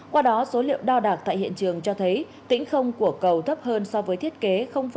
qua đó số liệu đo đạc tại hiện trường cho thấy tính không của cầu thấp hơn so với thiết kế